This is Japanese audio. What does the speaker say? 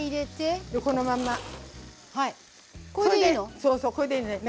そうそうこれでいいのね。